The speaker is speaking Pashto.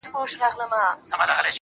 بلوڅ به د ازادۍ جنګ کوي